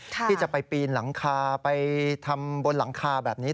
ที่จะไปปีนหลังคาไปทำบนหลังคาแบบนี้